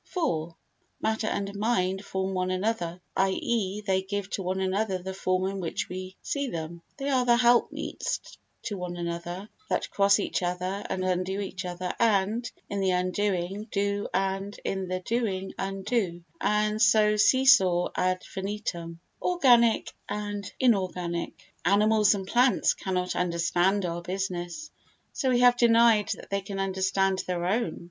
iv Matter and mind form one another, i.e. they give to one another the form in which we see them. They are the helpmeets to one another that cross each other and undo each other and, in the undoing, do and, in the doing, undo, and so see saw ad infinitum. Organic and Inorganic Animals and plants cannot understand our business, so we have denied that they can understand their own.